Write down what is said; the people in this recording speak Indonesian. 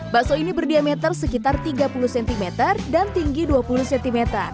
bakso ini berdiameter sekitar tiga puluh cm dan tinggi dua puluh cm